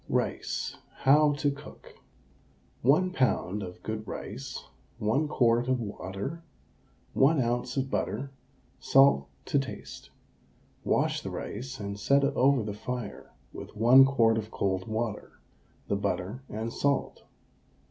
RICE, HOW TO COOK. 1 lb. of good rice, 1 quart of water, 1 oz. of butter, salt to taste. Wash the rice and set it over the fire with 1 quart of cold water, the butter and salt.